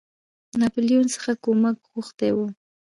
ناپولیون څخه کومک غوښتی وو.